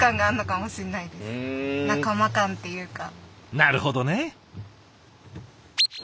なるほどね！